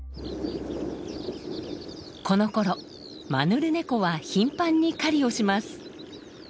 このころマヌルネコは頻繁に狩りをします。